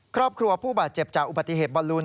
ครอบครัวผู้บาดเจ็บจากอุบัติเหตุบอลลูน